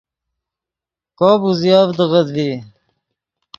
کوپ اوزیڤدغت ڤی